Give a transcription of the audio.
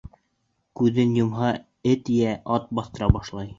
Күҙен йомһа, эт йә ат баҫтыра башлай.